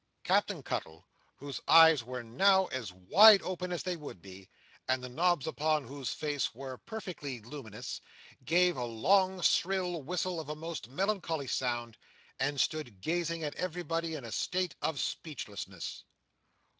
Captain Cuttle, whose eyes were now as wide open as they would be, and the knobs upon whose face were perfectly luminous, gave a long shrill whistle of a most melancholy sound, and stood gazing at everybody in a state of speechlessness.